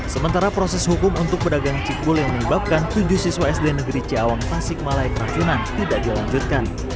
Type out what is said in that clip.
sementara proses hukum untuk pedagang cik bul yang menyebabkan tujuh siswa sd negeri ciawang pasik malaya keracunan tidak dilanjutkan